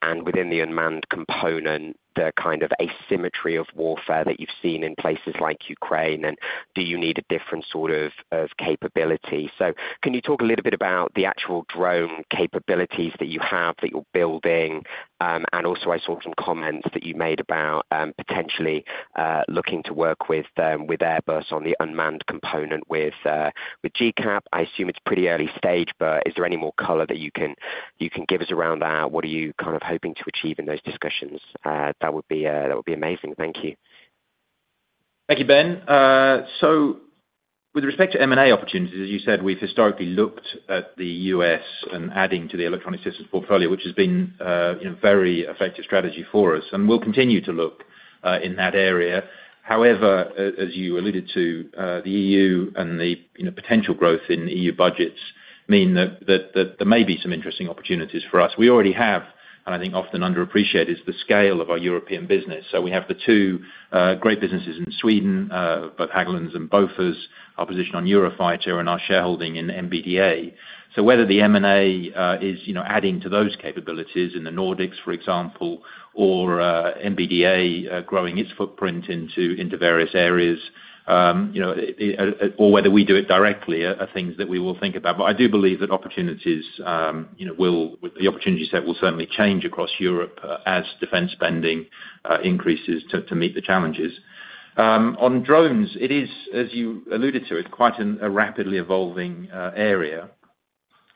and within the unmanned component, the kind of asymmetry of warfare that you've seen in places like Ukraine. And do you need a different sort of capability? So can you talk a little bit about the actual drone capabilities that you have that you're building? And also, I saw some comments that you made about potentially looking to work with Airbus on the unmanned component with GCAP. I assume it's pretty early stage, but is there any more color that you can give us around that? What are you kind of hoping to achieve in those discussions? That would be amazing. Thank you. Thank you, Ben. So with respect to M&A opportunities, as you said, we've historically looked at the U.S. and adding to the electronic systems portfolio, which has been a very effective strategy for us. And we'll continue to look in that area. However, as you alluded to, the E.U. and the potential growth in E.U. budgets mean that there may be some interesting opportunities for us. We already have, and I think often underappreciated, the scale of our European business. So we have the two great businesses in Sweden, both Hägglunds and Bofors, our position on Eurofighter and our shareholding in MBDA. So whether the M&A is adding to those capabilities in the Nordics, for example, or MBDA growing its footprint into various areas, or whether we do it directly are things that we will think about. But I do believe that opportunities will certainly change across Europe as defense spending increases to meet the challenges. On drones, it is, as you alluded to, it's quite a rapidly evolving area.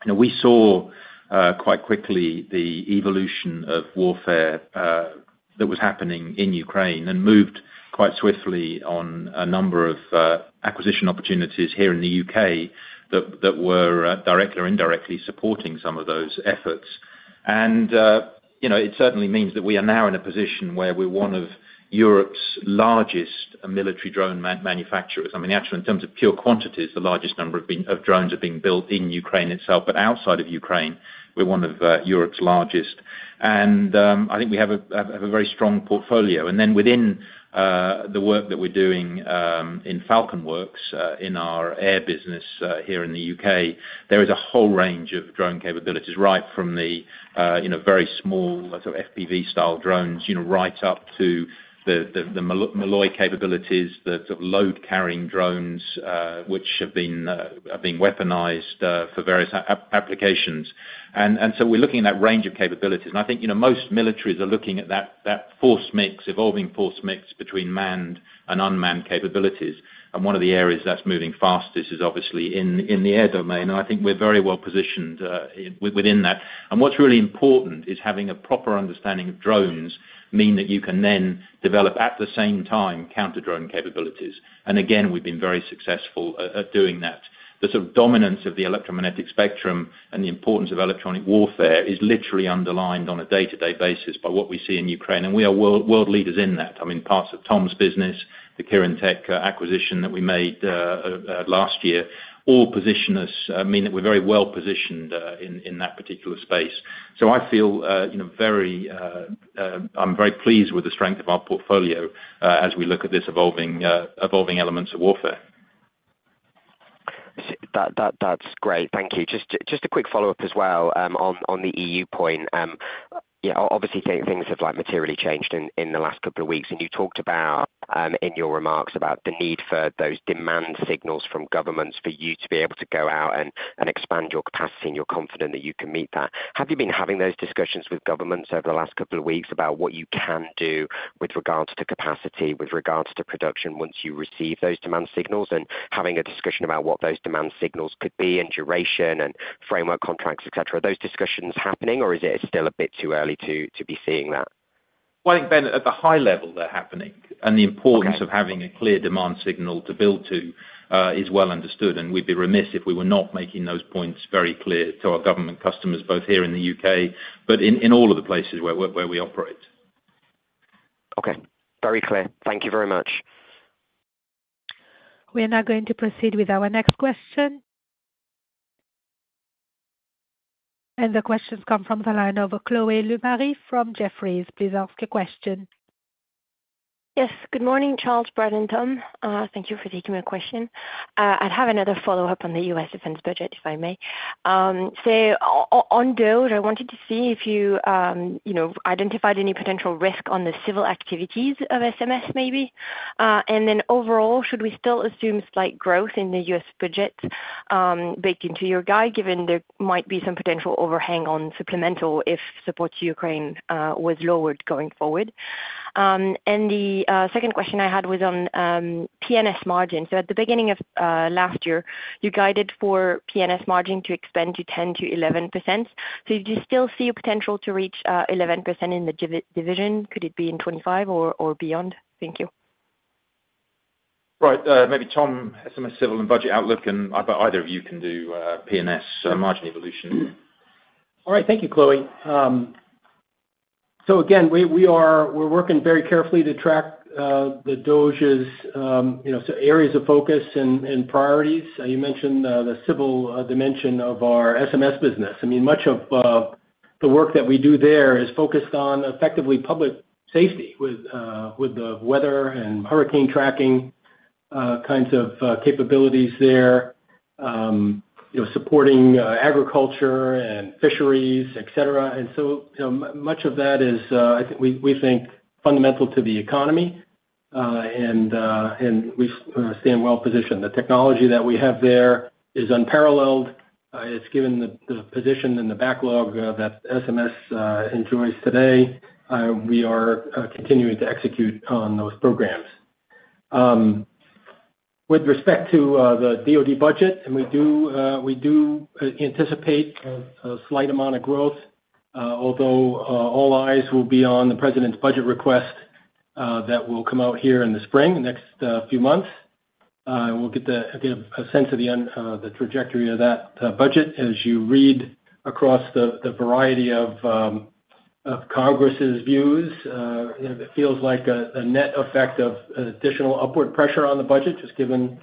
We saw quite quickly the evolution of warfare that was happening in Ukraine and moved quite swiftly on a number of acquisition opportunities here in the U.K. that were directly or indirectly supporting some of those efforts. It certainly means that we are now in a position where we're one of Europe's largest military drone manufacturers. I mean, actually, in terms of pure quantities, the largest number of drones are being built in Ukraine itself. But outside of Ukraine, we're one of Europe's largest. And I think we have a very strong portfolio. And then within the work that we're doing in FalconWorks in our air business here in the U.K., there is a whole range of drone capabilities, right from the very small sort of FPV-style drones right up to the Malloy capabilities, the sort of load-carrying drones, which have been weaponized for various applications. And so we're looking at that range of capabilities. And I think most militaries are looking at that force mix, evolving force mix between manned and unmanned capabilities. One of the areas that's moving fastest is obviously in the air domain. I think we're very well positioned within that. What's really important is having a proper understanding of drones mean that you can then develop, at the same time, counter-drone capabilities. Again, we've been very successful at doing that. The sort of dominance of the electromagnetic spectrum and the importance of electronic warfare is literally underlined on a day-to-day basis by what we see in Ukraine. We are world leaders in that. I mean, parts of Tom's business, the Kirintec acquisition that we made last year, all position us, I mean, that we're very well positioned in that particular space. So I'm very pleased with the strength of our portfolio as we look at this evolving elements of warfare. That's great. Thank you. Just a quick follow-up as well on the EU point. Yeah. Obviously, things have materially changed in the last couple of weeks. And you talked about in your remarks about the need for those demand signals from governments for you to be able to go out and expand your capacity and you're confident that you can meet that. Have you been having those discussions with governments over the last couple of weeks about what you can do with regards to capacity, with regards to production once you receive those demand signals? And having a discussion about what those demand signals could be and duration and framework contracts, etc., are those discussions happening? Or is it still a bit too early to be seeing that? Well, I think, Ben, at the high level, they're happening. And the importance of having a clear demand signal to build to is well understood. We'd be remiss if we were not making those points very clear to our government customers, both here in the U.K. but in all of the places where we operate. Okay. Very clear. Thank you very much. We are now going to proceed with our next question. The questions come from the line of Chloé Lemarié from Jefferies. Please ask your question. Yes. Good morning, Charles, Brad, and Tom. Thank you for taking my question. I'd have another follow-up on the U.S. defense budget, if I may. So on DOGE, I wanted to see if you identified any potential risk on the civil activities of SMS, maybe. Then overall, should we still assume slight growth in the U.S. budget baked into your guide, given there might be some potential overhang on supplemental if support to Ukraine was lowered going forward? And the second question I had was on P&S margin. So at the beginning of last year, you guided for P&S margin to expand to 10%-11%. So do you still see a potential to reach 11% in the division? Could it be in 25 or beyond? Thank you. Right. Maybe Tom, SMS civil and budget outlook. And I bet either of you can do P&S margin evolution. All right. Thank you, Chloé. So again, we're working very carefully to track the DOGE's areas of focus and priorities. You mentioned the civil dimension of our SMS business. I mean, much of the work that we do there is focused on effectively public safety with the weather and hurricane tracking kinds of capabilities there, supporting agriculture and fisheries, etc. And so much of that is, we think, fundamental to the economy. And we stand well positioned. The technology that we have there is unparalleled. It's given the position and the backlog that SMS enjoys today. We are continuing to execute on those programs. With respect to the DoD budget, and we do anticipate a slight amount of growth, although all eyes will be on the President's budget request that will come out here in the spring, next few months, and we'll get a sense of the trajectory of that budget as you read across the variety of Congress's views. It feels like a net effect of additional upward pressure on the budget, just given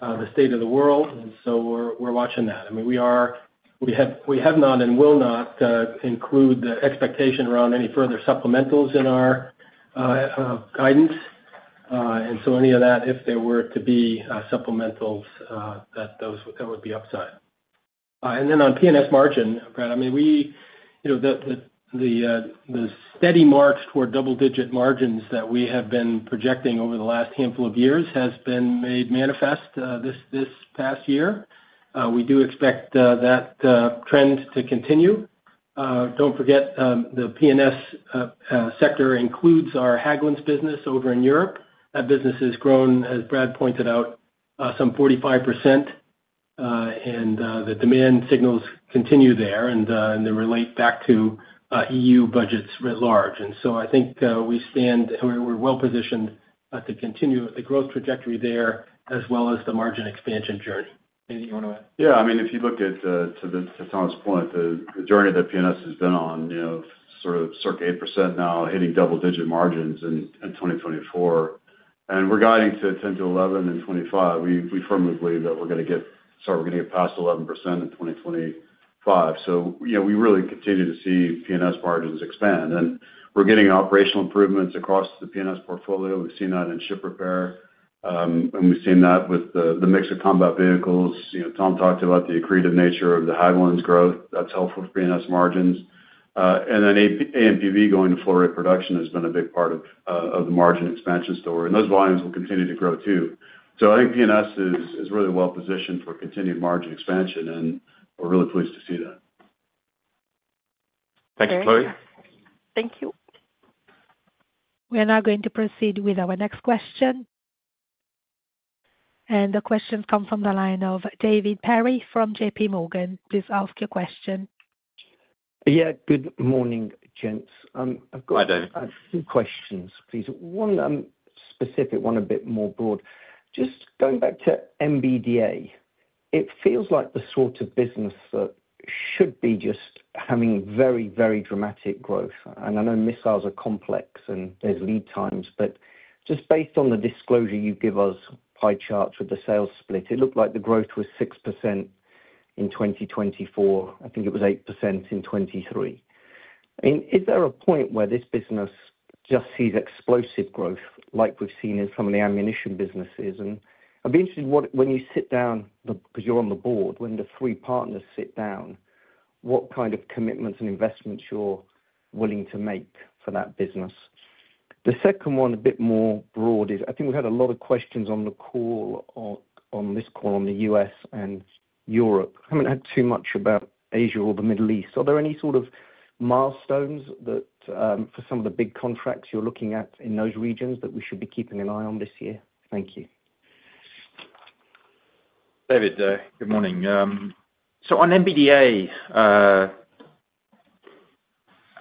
the state of the world, and so we're watching that. I mean, we have not and will not include the expectation around any further supplementals in our guidance, and so any of that, if there were to be supplementals, that would be upside. Then on P&S margin, Brad, I mean, the steady march toward double-digit margins that we have been projecting over the last handful of years has been made manifest this past year. We do expect that trend to continue. Don't forget, the P&S sector includes our Hägglunds business over in Europe. That business has grown, as Brad pointed out, some 45%. And the demand signals continue there. And they relate back to EU budgets writ large. And so I think we're well positioned to continue the growth trajectory there as well as the margin expansion journey. Anything you want to add? Yeah. I mean, if you look at, to Tom's point, the journey that P&S has been on, sort of circa 8% now, hitting double-digit margins in 2024. And we're guiding to 10% to 11% in 2025. We firmly believe that we're going to get past 11% in 2025. So we really continue to see P&S margins expand. And we're getting operational improvements across the P&S portfolio. We've seen that in ship repair. And we've seen that with the mix of combat vehicles. Tom talked about the accretive nature of the Hägglunds growth. That's helpful for P&S margins. And then AMPV going to low-rate production has been a big part of the margin expansion story. And those volumes will continue to grow too. So I think P&S is really well positioned for continued margin expansion. And we're really pleased to see that. Thank you, Chloé. Thank you. We are now going to proceed with our next question. And the question comes from the line of David Perry from JPMorgan. Please ask your question. Yeah. Good morning, gents. I've got a few questions, please. One specific, one a bit more broad. Just going back to MBDA, it feels like the sort of business that should be just having very, very dramatic growth. And I know missiles are complex and there's lead times. But just based on the disclosure you give us, pie charts with the sales split, it looked like the growth was 6% in 2024. I think it was 8% in 2023. I mean, is there a point where this business just sees explosive growth like we've seen in some of the ammunition businesses? And I'd be interested when you sit down, because you're on the board, when the three partners sit down, what kind of commitments and investments you're willing to make for that business? The second one, a bit more broad, is I think we've had a lot of questions on this call on the US and Europe. Haven't had too much about Asia or the Middle East. Are there any sort of milestones for some of the big contracts you're looking at in those regions that we should be keeping an eye on this year? Thank you. David, good morning. So on MBDA, I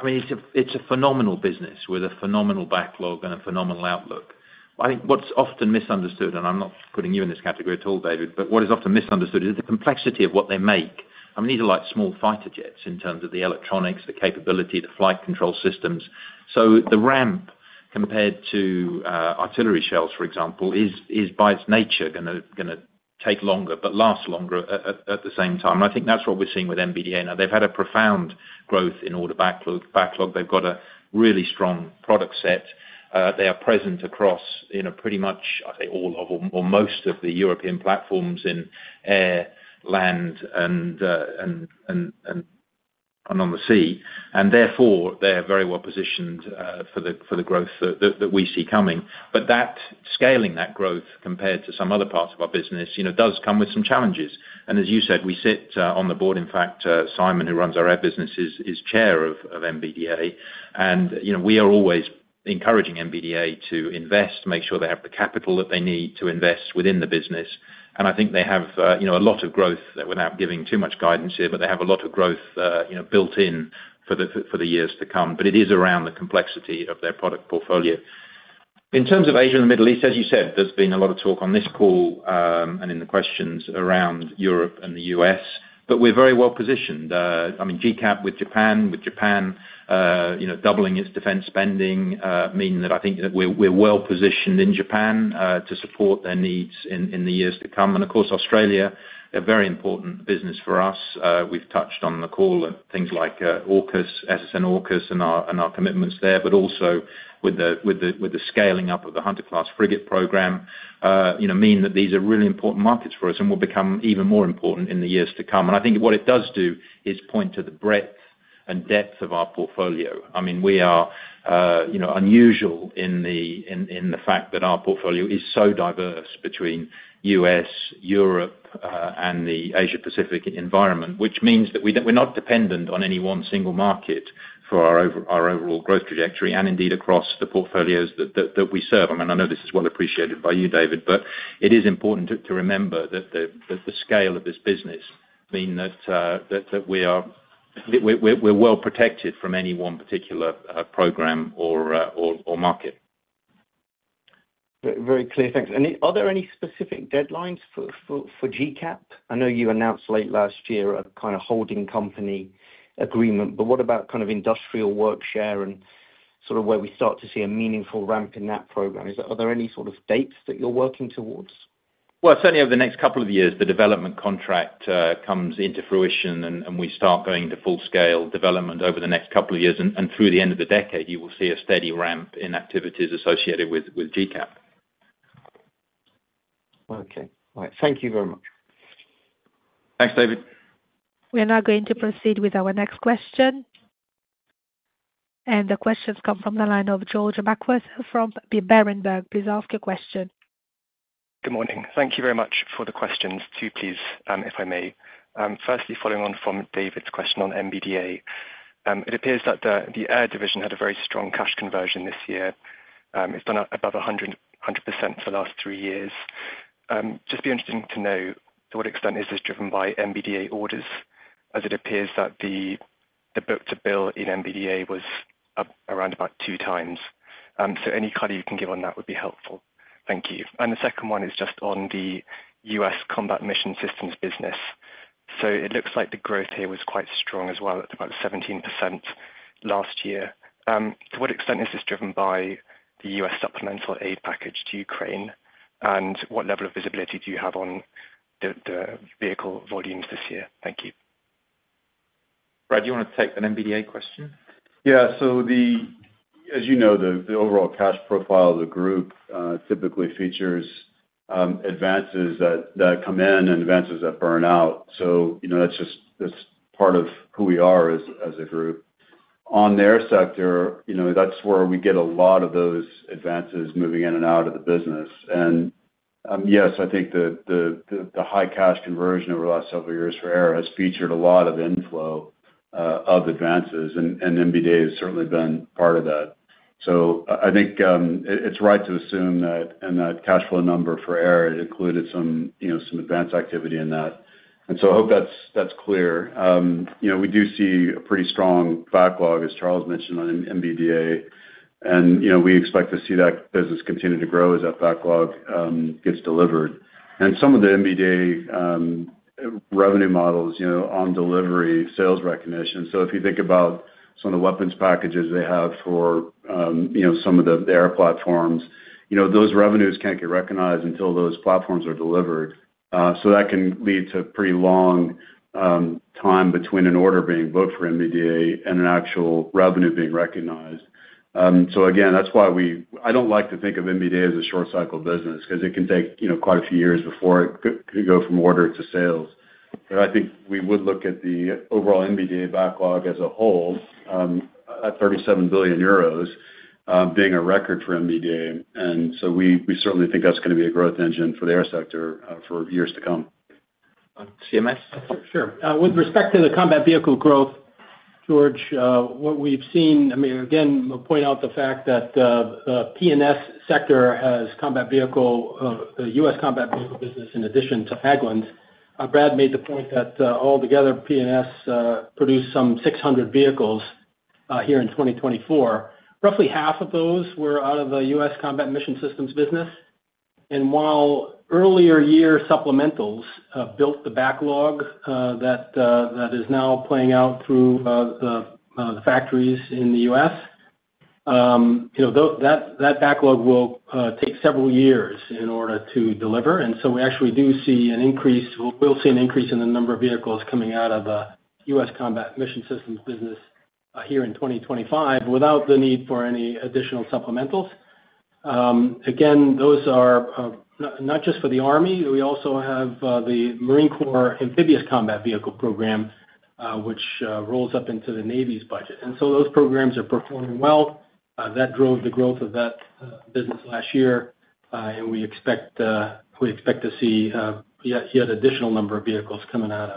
mean, it's a phenomenal business with a phenomenal backlog and a phenomenal outlook. I think what's often misunderstood, and I'm not putting you in this category at all, David, but what is often misunderstood is the complexity of what they make. I mean, these are like small fighter jets in terms of the electronics, the capability, the flight control systems. The ramp compared to artillery shells, for example, is by its nature going to take longer but last longer at the same time. I think that's what we're seeing with MBDA now. They've had a profound growth in order backlog. They've got a really strong product set. They are present across pretty much, I'd say, all of or most of the European platforms in air, land, and on the sea. Therefore, they're very well positioned for the growth that we see coming. Scaling that growth compared to some other parts of our business does come with some challenges. As you said, we sit on the board. In fact, Simon, who runs our air business, is chair of MBDA. We are always encouraging MBDA to invest, make sure they have the capital that they need to invest within the business. And I think they have a lot of growth without giving too much guidance here, but they have a lot of growth built in for the years to come. But it is around the complexity of their product portfolio. In terms of Asia and the Middle East, as you said, there's been a lot of talk on this call and in the questions around Europe and the US. But we're very well positioned. I mean, GCAP with Japan, with Japan doubling its defense spending, meaning that I think that we're well positioned in Japan to support their needs in the years to come. And of course, Australia, a very important business for us. We've touched on the call that things like SSN-AUKUS and our commitments there, but also with the scaling up of the Hunter-class frigate program, mean that these are really important markets for us and will become even more important in the years to come. And I think what it does do is point to the breadth and depth of our portfolio. I mean, we are unusual in the fact that our portfolio is so diverse between U.S., Europe, and the Asia-Pacific environment, which means that we're not dependent on any one single market for our overall growth trajectory and indeed across the portfolios that we serve. I mean, I know this is well appreciated by you, David, but it is important to remember that the scale of this business means that we're well protected from any one particular program or market. Very clear. Thanks. And are there any specific deadlines for GCAP? I know you announced late last year a kind of holding company agreement. But what about kind of industrial work share and sort of where we start to see a meaningful ramp in that program? Are there any sort of dates that you're working towards? Well, certainly over the next couple of years, the development contract comes into fruition, and we start going to full-scale development over the next couple of years. And through the end of the decade, you will see a steady ramp in activities associated with GCAP. Okay. All right. Thank you very much. Thanks, David. We are now going to proceed with our next question. And the questions come from the line of George McWhirter from Berenberg. Please ask your question. Good morning. Thank you very much for the questions, too, please, if I may. Firstly, following on from David's question on MBDA, it appears that the air division had a very strong cash conversion this year. It's been above 100% for the last three years. Just be interesting to know, to what extent is this driven by MBDA orders, as it appears that the book-to-bill in MBDA was around about two times. So any color you can give on that would be helpful. Thank you. And the second one is just on the U.S. Combat Mission Systems business. So it looks like the growth here was quite strong as well. It's about 17% last year. To what extent is this driven by the U.S. supplemental aid package to Ukraine? And what level of visibility do you have on the vehicle volumes this year? Thank you. Brad, do you want to take an MBDA question? Yeah. So as you know, the overall cash profile of the group typically features advances that come in and advances that burn out. So that's just part of who we are as a group. On the air sector, that's where we get a lot of those advances moving in and out of the business. And yes, I think the high cash conversion over the last several years for air has featured a lot of inflow of advances. And MBDA has certainly been part of that. So I think it's right to assume that cash flow number for air included some advanced activity in that. And so I hope that's clear. We do see a pretty strong backlog, as Charles mentioned, on MBDA. And we expect to see that business continue to grow as that backlog gets delivered. And some of the MBDA revenue models on delivery sales recognition. So if you think about some of the weapons packages they have for some of the air platforms, those revenues can't get recognized until those platforms are delivered. So that can lead to a pretty long time between an order being booked for MBDA and an actual revenue being recognized. So again, that's why I don't like to think of MBDA as a short-cycle business because it can take quite a few years before it could go from order to sales. But I think we would look at the overall MBDA backlog as a whole at 37 billion euros being a record for MBDA. And so we certainly think that's going to be a growth engine for the air sector for years to come. CMS? Sure. With respect to the combat vehicle growth, George, what we've seen, I mean, again, point out the fact that the P&S sector has combat vehicle, the U.S. combat vehicle business, in addition to Hägglunds. Brad made the point that altogether, P&S produced some 600 vehicles here in 2024. Roughly half of those were out of the U.S. Combat Mission Systems business. And while earlier year supplementals built the backlog that is now playing out through the factories in the U.S., that backlog will take several years in order to deliver. And so we actually do see an increase. We'll see an increase in the number of vehicles coming out of the U.S. Combat Mission Systems business here in 2025 without the need for any additional supplementals. Again, those are not just for the Army. We also have the Marine Corps Amphibious Combat Vehicle Program, which rolls up into the Navy's budget. And so those programs are performing well. That drove the growth of that business last year. And we expect to see yet an additional number of vehicles coming out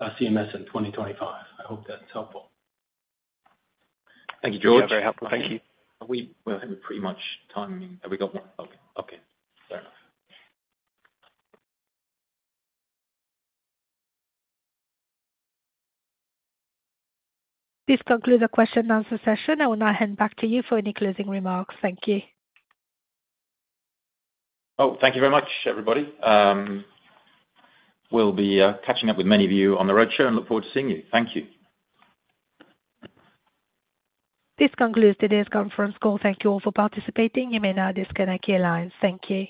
of CMS in 2025. I hope that's helpful. Thank you, George. Thank you. We're pretty much out of time. Have we got one? Okay. Fair enough. This concludes the question-and-answer session. I will now hand back to you for any closing remarks. Thank you. Oh, thank you very much, everybody. We'll be catching up with many of you on the roadshow and look forward to seeing you. Thank you. This concludes today's conference call. Thank you all for participating. You may now disconnect your lines. Thank you.